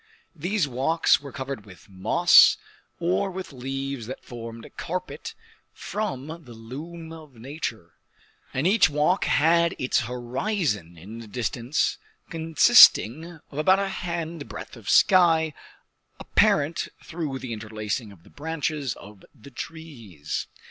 These walks were covered with moss or with leaves that formed a carpet from the loom of nature; and each walk had its horizon in the distance, consisting of about a hand breadth of sky, apparent through the interlacing of the branches of the trees.